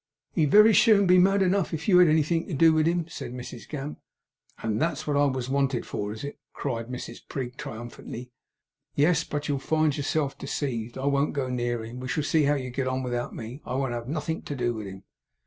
'He'd very soon be mad enough, if you had anything to do with him,' said Mrs Gamp. 'And that's what I was wanted for, is it?' cried Mrs Prig, triumphantly. 'Yes. But you'll find yourself deceived. I won't go near him. We shall see how you get on without me. I won't have nothink to do with him.